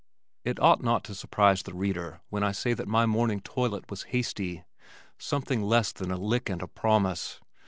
It ought not to surprise the reader when I say that my morning toilet was hasty something less than "a lick and a promise."